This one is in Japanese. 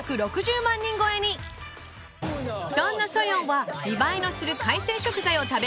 そんなソヨンは見栄えのする海鮮食材を食べるのが特徴的